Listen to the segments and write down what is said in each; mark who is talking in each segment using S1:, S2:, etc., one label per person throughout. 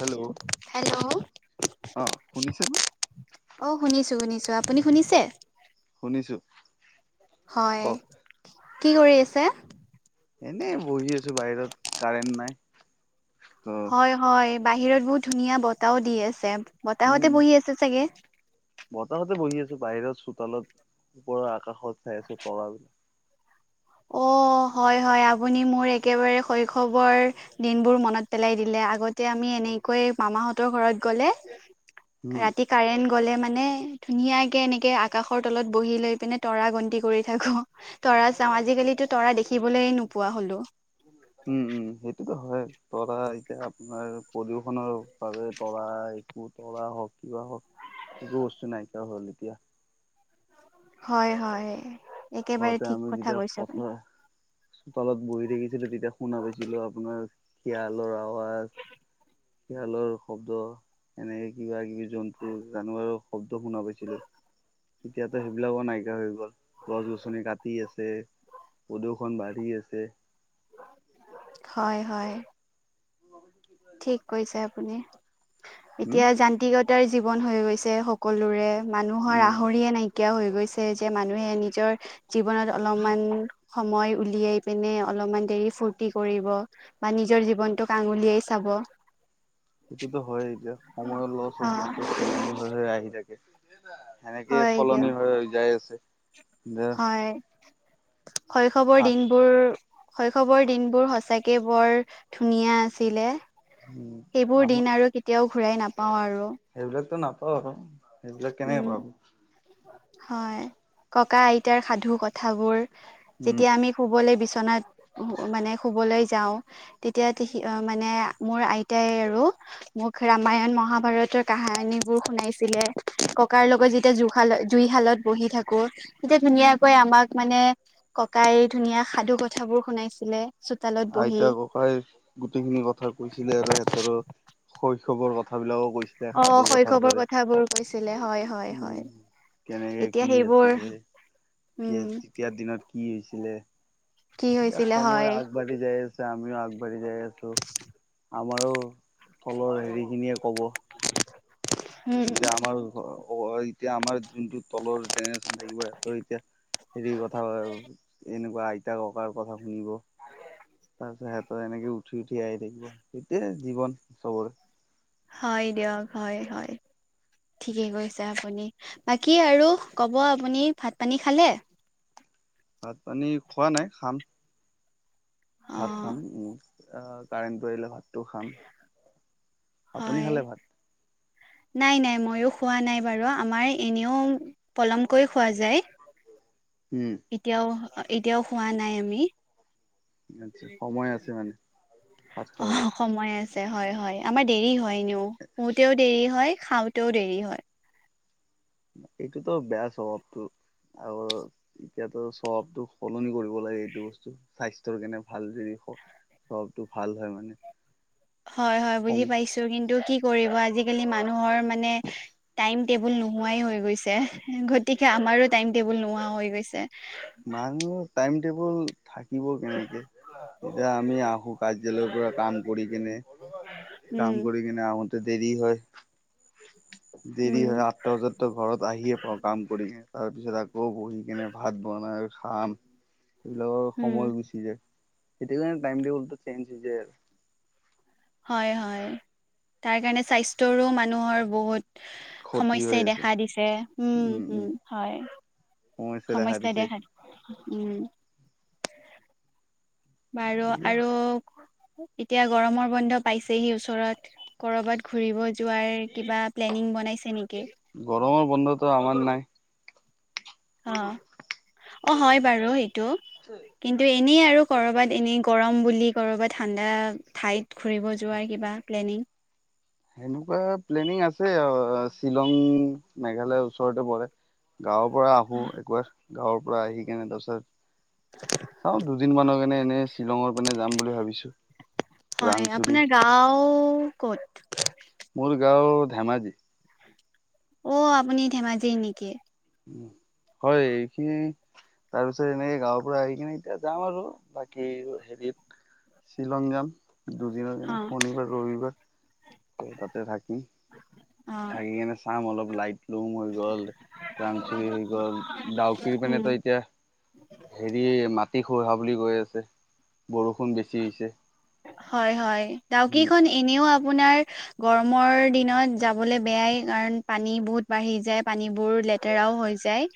S1: Hello
S2: hello,
S1: অ শুনিছে ন
S2: অ', শুনিছোঁ শুনিছোঁ। আপুনি শুনিছে?
S1: শুনিছোঁ।
S2: হয়, কি কৰি আছে?
S1: এনেই বহি আছোঁ বাহিৰত কাৰেণ্ট নাই। ত
S2: হয় হয় বাহিৰত বহুত ধুনীয়া বতাহো দি আছে, বতাহতে
S1: উম
S2: বহি আছে চাগে?
S1: বতাহতে বহি আছোঁ বাহিৰত চোতালত ওপৰৰ আকাশত চাই আছোঁ তৰা বিলাক।
S2: অ' হয়, হয়, আপুনি মোৰ একেবাৰে শৈশৱৰ দিনবোৰ মনত পেলাই দিলে। আগতে আমি এনেকৈ মামাহঁতৰ ঘৰত গ'লে
S1: উম
S2: ৰাতি কাৰেণ্ট গ'লে মানে ধুনীয়াকে এনেকে আকাশৰ তলত বহি লৈ পিনে তৰা গন্তি কৰি থাকোঁ তৰা। চাওঁ আজিকালিতো তৰা দেখিবলৈ নোপোৱা হলোঁ।
S1: উম, উম, সেইটোতো হয়, তৰা এতিয়া আপোনাৰ প্ৰদূষণৰ বাবে তৰা। তৰা হওঁক কিবা হওঁক একো বস্তু নাইকিয়া হ'ল এতিয়া।
S2: [unintelligible] হয়, হয়, একেবাৰে
S1: আগতে
S2: ঠিক
S1: আমি
S2: কথা
S1: যেতিয়া
S2: কৈছে, আপুনি।
S1: পথাৰ চোতালত বহি থাকি। যেতিয়া তেতিয়া শুনা পাইছিলোঁ আপোনাৰ শিয়ালৰ আৱাজ। শিয়ালৰ শব্দ এনেকে কিবা কিবি জন্তু জানোৱাৰো শব্দ। শুনা পাইছিলোঁ। এতিয়াতো সেইবিলাকো নাইকিয়া হৈ গ'ল। গছ গছনি কাটি আছে, প্ৰদূষন বাঢ়ি আছে।
S2: হয়, হয়।
S1: উম।
S2: ঠিক কৈছে আপুনি
S1: হম
S2: এতিয়া যান্তিকত তাৰ জীৱন হৈ গৈছে সকলোৰে মানুহৰ
S1: উম
S2: আহৰিয়ে নাইকিয়া কিয়া হৈ গৈছে যে মানুহে নিজৰ জীৱনত অলপমান। সময় উলিয়াই পিনে অলপমান দেৰি ফূৰ্তি কৰিব বা নিজৰ জীৱনতোক আঙলিয়াই। চাব।
S1: সেইটোতো হয়, এতিয়া সময়ৰ লগত চ'ব বস্তু সলনি হৈ হৈ আহি থাকে। সেনেকেই
S2: হয়
S1: সলনি
S2: দিয়ক
S1: হৈ হৈ যাই আছে।
S2: হয় শৈশৱৰ
S1: আহ
S2: দিনবোৰ। শৈশৱৰ দিনবোৰ সচাকে বৰ ধুনীয়া আছিলে।
S1: উম
S2: সেইবোৰ
S1: আম
S2: দিন আৰু কেতিয়াও ঘূৰাই নাপাওঁ আৰু।
S1: অ'সেইবিলাক কেনেকে
S2: উম
S1: পাব।
S2: হয়, ককা-আইতাৰ সাধু কথাবোৰ
S1: উম
S2: যেতিয়া আমি শুবলৈ বিচাৰো। বিচৰনাত মানে শুবলৈ যাওঁ তেতিয়া মানে মোৰ আইতাই আৰু। মোক ৰামায়ণ মহাভাৰতৰ কাহানী বোৰ শুনাইছিলে। ককাৰ লগত যেতিয়া জুইশাল জুইশালত বহি থাকো তেতিয়া ধুনীয়াকৈ আমাক মানে। ককাই এই ধুনীয়া সাধু কথাবোৰ শুনাইছিলে। চোতালত বহি
S1: আইতা ককাই গোটেইখিনি কথা কৈছিলে আৰু সিহঁতৰ। শৈশৱৰ কথাবিলাকো। কৈছিলে
S2: অ'
S1: সাধু কথাৰ
S2: শৈশৱৰ
S1: দৰে
S2: কথাবোৰ কৈছিলে হয়, হয়,
S1: উম
S2: হয়।
S1: কেনেকে
S2: এতিয়া
S1: কি
S2: সেইবোৰ
S1: হৈছিলে
S2: উম
S1: তেতিয়াৰ দিনত কি হৈছিলে।
S2: কি হৈছিলে
S1: সময়
S2: হয়।
S1: আগবাঢ়ি ছেম এতিয়া আমিও আগবাঢ়ি যাই আছো আমাৰো। তলৰ হেৰিখিনিয়ে ক'ব।
S2: উম
S1: এতিয়া আমাৰ এতিয়া আমাৰ যোনটো তলৰ জনেৰেশ্যন থাকিব সিহ এতিয়া হেৰি কথা এনেকুৱা আইতা ককাৰ কথা শুনিব। তাৰ পিছত সিহতৰ এনেকে উঠি উঠি আহি থাকিব, সেইতোয়ে জীৱনতো চবৰে।
S2: হয় দিয়ক হয়, হয়। ঠিকে কৈছে, আপুনি বাকী আৰু ক'ব আপুনি ভাত পানী খালে।
S1: ভাত পানী খোৱা নাই, খাম।
S2: অ
S1: ভাত খাম, উম। আহ কাৰেণ্টটো আহিলে ভাতটো খাম। আপুনি
S2: হয়,
S1: খালে ভাত
S2: নাই নাই ময়ো খোৱা নাই বাৰু আমাৰ এনেও। পলমকৈ খোৱা যায়,
S1: উম
S2: এতিয়াও এতিয়াও খোৱা নাই আমি।
S1: আচ্ছা সময় আছে মানে ভাত খাবলৈ
S2: অ' সময় আছে। হয়, হয়, আমাৰ দেৰি হয় এনেও খোতেও দেৰি হয়, খাওতেও দেৰি হয়।
S1: এইটোতো বেয়া স্বভাৱটো। আৰু এতিয়াতো চবটো সলনি কৰিব লাগে, এইটো বস্তু স্বাস্থ্যৰ কাৰণে ভাল যদি।
S2: [inaudible]
S1: চবটো ভাল হয় মানে।
S2: হয়, হয়।
S1: সম
S2: বুজি পাইছোঁ কিন্তু কি কৰিব আজিকালি মানুহৰ মানে টাইম টেবুল নোহোৱাই হৈ গৈছে। গতিকে আমাৰো টাইম টেবুল নোহোৱা হৈ গৈছে।
S1: মানুহ টাইম টেবুল থাকিব কেনেকে, এতিয়া আমি আহোঁ কাৰ্য্যালয়ৰ পৰা কাম কৰি কিনে।
S2: উম
S1: কাম কৰি কিনে আহৈতে দেৰি হয়। দেৰি
S2: উম
S1: হয়, আঠটা বজাততো ঘৰত আহিয়ে পাওঁ কাম কৰি কিনে, তাৰপিছত আকৌ বহি কিনে ভাত বনাই খাম, এইবিলাকৰ
S2: উম
S1: সময় গুচি যায়। এতিয়া যেন টাইম টেবুলটো চেঞ্জ হৈ যায় আৰ।
S2: হয়, হয়। তাৰকাৰণে স্বাস্থ্যৰো মানুহৰ বহুত
S1: ক্ষতি হৈ
S2: সমস্যাই
S1: আছে
S2: দেখা দিছে হম, হম, হয়।
S1: সমস্যাই দেখা দিছে।
S2: উম। বাৰু,
S1: এইবিলাক
S2: আৰু এতিয়া গৰমৰ বন্ধ পাইছেহি ওচৰত কৰবাত ঘুৰিব যোৱাৰ কিবা প্লেনিং বনাইছে নেকি?
S1: গৰমৰ বন্ধতো আমাৰ নাই।
S2: অহ। অহ, হয় বাৰু এইটো কিন্তু এনেই আৰু কৰবাত এনেই গৰম বুলি বুলি কৰবাত ঠাণ্ডা ঠাইত ঘুৰিব যোৱাৰ কিবা প্লেনিং।
S1: সেনেকুৱা প্লেনিং আছে অহ, শ্বিলং মেঘালয়ৰ ওচৰতে পৰে। গাঁৱৰ পৰা আহোঁ একবাৰ গাঁৱৰ পৰা আহি কিনে তাৰপিছত চাওঁ দুদিন মানৰ কাৰণে এনেই শ্বিলংৰ পিনে যাম বুলি ভাবিছোঁ।
S2: হয় আপোনাৰ গাওঁ ক'ত?
S1: মোৰ গাঁও ধেমাজি।
S2: অহ, আপুনি ধেমাজিৰ নেকি?
S1: উম, হয়। এইখিনি তাৰপিছত এনেকে গাঁৱৰ পৰা আহি কিনে এতিয়া যাম আৰু বাকী হেৰিত। শ্বিলং যাম দুদিনৰ কাৰণে,
S2: অ
S1: শনিবাৰ ৰবিবাৰ ত' তাতে থাকিম। উম,
S2: অ
S1: থাকি কিনে চাম অলপ লাইট লুম হৈ গ'ল। ৰাংচৰি হৈ গ'ল ডাউকিৰ
S2: উম
S1: পিনে ত' এতিয়া হেৰি মাটি খহা বুলি কৈ আছে, বৰষুণ বেছি হৈছে।
S2: হয়, হয়। ডাউকিখন এনেও আপোনাৰ গৰমৰ দিনত যাবলৈ বেয়াই, কাৰণ পানী বহুত বাঢ়ি যায় পানীবোৰ লেতেৰা হৈ যায়।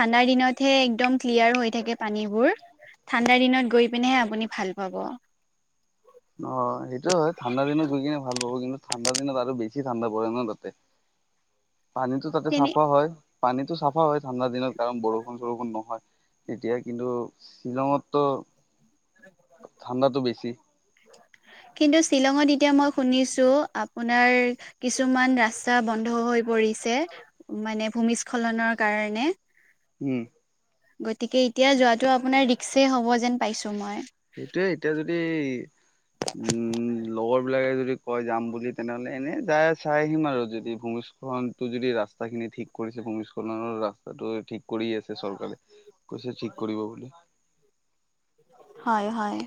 S2: ঠাণ্ডাৰ দিনত হে একদম ক্লিয়াৰ হৈ থাকে পানীবোৰ। ঠাণ্ডা দিনত গৈ পিনেহে আপুনি ভাল পাব।
S1: অহ, সেইটোয়ে হয় ঠাণ্ডা দিনত গৈ কিনে ভাল পাব। কিন্তু ঠাণ্ডা দিনত আৰু বেছি ঠাণ্ডা পৰে ন' তাতে।
S2: [inaudible]
S1: পানীতো তাতে
S2: তেনে
S1: চাফা হয়। পানীতো চাফা হয় ঠাণ্ডা দিনত কাৰণ বৰষুণ-চৰষুণ নহয়। তেতিয়া কিন্তু শ্বিলংতো ঠাণ্ডাটো বেছি।
S2: কিন্তু শ্বিলংত এতিয়া মই শুনিছোঁ, আপোনাৰ কিছুমান ৰাস্তা বন্ধ হৈ হৈ পৰিছে, মানে ভূমিস্খলনৰ কাৰণে।
S1: উম।
S2: গতিকে এতিয়া যোৱাটো আপোনাৰ ৰিক্সি হ'ব যেন পাইছোঁ মই।
S1: সেইটোয়ে এতিয়া যদি উম, লগৰ বিলাকে যদি কয় যাম বুলি তেনেহ'লে, এনে যাই চাই আহিম আৰু যদি ভূমিস্খলনটো যদি ৰাস্তাখিনি ঠিক কৰিছে ভূমিস্খলনৰ ৰাস্তাটো ঠিক কৰি আছে চৰকাৰে কৈছে ঠিক কৰিব বুলি
S2: হয় হয়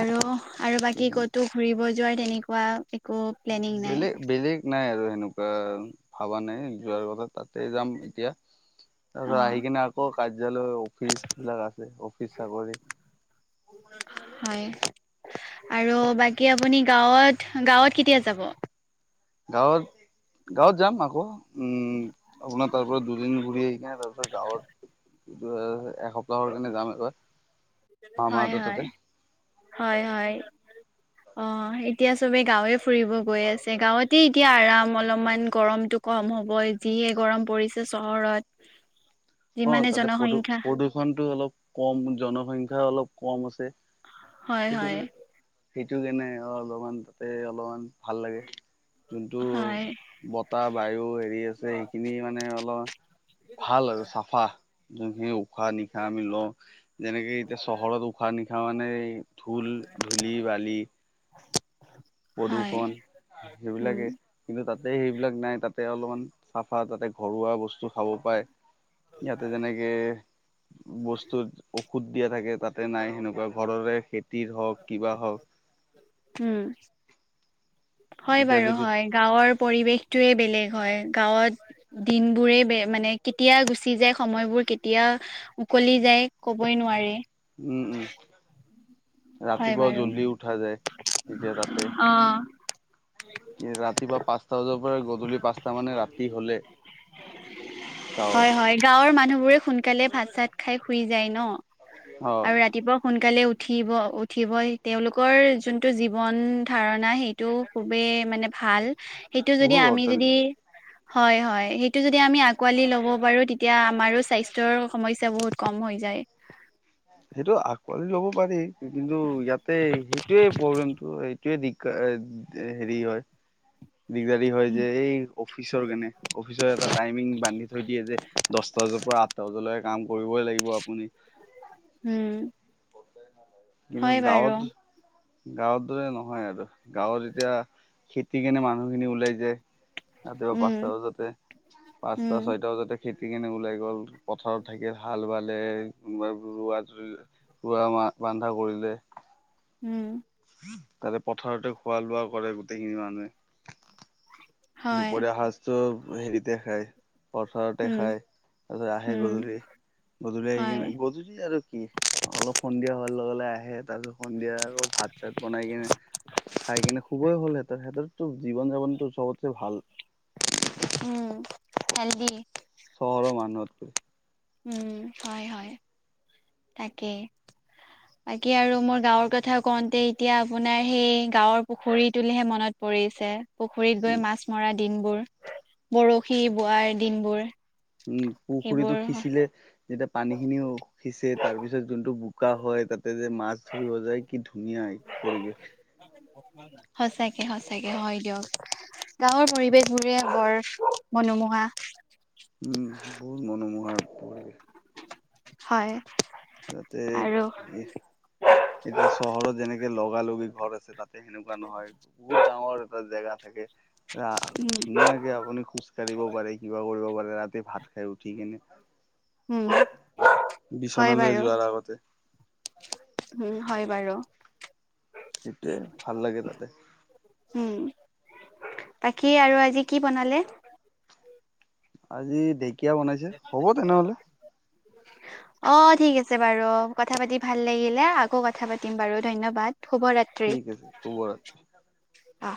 S2: আৰু আৰু বাকী ক'তো ঘূৰিব যোৱাৰ তেনেকুৱা একো প্লেনিং নাই
S1: বেলেিগ বেলেিগ নাই আৰু তেনেকুৱা ভাবা নাই যোৱাৰ কথা তাতে যাম এতিয়া
S2: অ
S1: তাৰপিছত আহি কিনে আকৌ ালৈ অফিচ বিলাক আছে অফিচ চাকৰি
S2: হয় আৰু বাকী আপুনি গাঁৱত গাঁৱত কেতিয়া যাব?
S1: গাঁৱত গাঁৱত যাম আকৌ উম আপোনাৰ তাৰ পৰা দুদিন ঘূৰি আহনে তাৰপত যাৱত কিন্ত এসপ্তাহৰ কাৰণে যাম এইবাৰ
S2: হয় হয় হয় হয় অ', তিয়া চবে গাঁৱে ফুৰিব গৈ আছে গাঁৱতে এতিয়া আৰাম অলপমান গৰমতটো কম হ'ব যিয়ে গৰম পৰিছে চহৰত
S1: অ',
S2: যিমানে
S1: তাতে প্ৰদূ
S2: জনসংখ্যা
S1: প্ৰদূৰষণতটো অলপ কম জনসংখ্য্া অলপ কম আছে
S2: হয়
S1: সেইটো
S2: হয়
S1: সেইটো কেনে অলপমান তাতে অলপমান ভাল লাগে যোনটো
S2: হয়
S1: বতাহ বায়ু হেৰি আছে সেইখিনি মানে অলপ ভাল আৰু চা যোনখিনি উশাহ নিশাহ আমি লওঁ যেনেকে এতিয়া চহৰত উশাহ নিশাহ মানে ধঢল ধূলি বালি
S2: হয়
S1: প্ৰদূৰ্ষণ
S2: উম
S1: সেইবিলাকে কিন্তু তাতে সেইবিলাক নাই তাতে অলপমান চাফা তাতে ঘৰুৱা বস্তু খাব পায় ইয়াতে যেনেকে বস্তুৰ সুত দিয়া থাকে তাতে নাই সেনেকুৱা ঘৰৰে খেতিৰ হওক কিবা হওক
S2: উম হয়
S1: এতিয়া
S2: বাৰু
S1: যদি
S2: হয় গাঁৱৰ পৰিৱেশটোয়ে বেলেগ হয় গাঁৱত দিন বোৰে বে মানে কেতিয়া গুচি যায় সময়বোৰ কেতিয়া কি যায় ক'বই নোৱি
S1: উম উম
S2: হয়
S1: ৰাতিপুৱা
S2: বাৰু
S1: জ্বলদি উঠা যায় তেতিয়া তাতে
S2: অ
S1: ৰাতিপুৱা পাঁচটা বজাৰ পৰা গধূলি পাঁচটা মানে ৰাতি হলে গাঁৱত
S2: হয় হয় গাঁৱৰ মানুহ বোৰে সোনকালে ভাত চাত খাই শুই ন
S1: অ
S2: আৰু ৰাতিপুৱা সোনাল সোনকালে উঠিব উঠিবই তেওঁলোকৰ যোনটো জীৱন ধাৰণা সেইটো খুবেই য [unintelligible]
S1: বহুত অৰ্টনি
S2: আমি আকালি ল'ব পাৰো তেতিয়া আমাৰ স্বাস্থৰ সমস্যা বহুত কম হৈ যায়
S1: সেইটো আকোৱালি ল'ব পাৰি কিন্তু ইয়াতে সেইটোৱে প্ৰব্লেমটো হেৰি হয় দিগদাৰি হয় যে এই অফিচৰ কেনেে অফিচৰ এটা টাইমিং বান্ধি থৈ দিয়ে যে দহটা বজাত পৰা আঠটা বজালৈকে কাম কৰিবই লাগিব আপুনি
S2: উম
S1: কিন্তু
S2: হয়
S1: গাঁৱত
S2: বাৰু
S1: গাঁৱত দৰে নহয় আৰু গাঁৱত এতিয়া খেতি কেনে মানুহখিনি ওলাই যায় ৰাতিপুৱা পাঁচটা
S2: উম,
S1: বজাতে পাঁচটা
S2: উম,
S1: ছয়টা বজাতে খেতি কেনে ওলাই গল পথাৰত থাকে হাল বালে কোনোবা ৰোৱা ৰোৱা মা বন্ধা কৰিলে
S2: উম
S1: তাৰে পথাৰতে খোৱা লোৱা কৰে গোটেইখিনি মানুহে
S2: হয়,
S1: দুপৰ হজটো হেৰি দেখায় পথাৰতে
S2: উম,
S1: খাই তাৰপাছত আহে
S2: উম,
S1: গধূলি গধূলি আহি
S2: হয়,
S1: কিনে গধূলি আৰু কি অলপ সন্ধিয়া হোৱাৰ লগে লগে আহে তাৰ সন্ধিয়া আকৌ ভাত চাত বনাই কিনে, খাই কিনে শুবই হ'ল সিহঁতৰ। সিহত টো জীৱন-যাপনটো চবতচ্ছে ভাল।
S2: উম্, হেলদি।
S1: চহৰৰ মানুহতকৈ
S2: উম্ হয় হয়, তাকেই। বাকি আৰু মোৰ গাঁৱৰ কথা কওঁতে, এতিয়া আপোনাৰ সেই গাঁৱৰ পুখুৰী তুলিহে মনত প পৰিছে। পুখুৰীত গৈ
S1: উম
S2: মাছ মৰা দিনবোৰ, বৰশী বোৱাৰ দিনবোৰ।
S1: উম্, পুখুৰীতটো
S2: সেইবোৰ
S1: সিঁচিলে। যেতিয়া পানী খিনিও সিঁচে, তাৰ পিছত যোনটো বোকা হয়, তাতে যে মাছ ধৰিব যায়। কি ধুনীয়া পৰিৱেশ।
S2: সঁচাকে সঁচাকে, হয় দিয়ক। গাঁৱৰ পৰিৱেশবোৰে, বৰ মনোমোহা।
S1: উম্, বহুত মনোমোহা পৰিৱেশ।
S2: হয়।
S1: তাতে,
S2: আৰু
S1: এতিয়া চহৰত যেনেকে লগা লগি ঘৰ আছে। তাতে সেনেকুৱা নহয়, বহুত ডাঙৰ এটা জেগা থাকে।
S2: উম,
S1: ধুনীয়াকে আপুনি খোজ কাঢ়িব পাৰে, কিবা কৰিব পাৰে। ৰাতি ভাত খাই উঠি কেনে।
S2: উম্, হয় বাৰু।
S1: যোৱাৰ আগতে।
S2: উম, হয় বাৰু।
S1: সেইটোৱে, ভাল লাগে তাতে।
S2: উম, বাকী আৰু আজি কি বনালে?
S1: আজি ঢেকীয়া বনাইছে, হ'ব তেনেহ'লে।
S2: অ', ঠিক আছে বাৰু। কথা পাতি ভাল লাগিলে, আকৌ কথা পাতিম বাৰু ধন্যবাদ। শুভৰাত্ৰি।
S1: ঠিক আছে, শুভ ৰাত্ৰি।
S2: অ'।